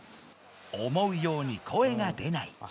思うように声が出ない。